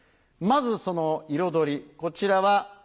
まずその彩りこちらは。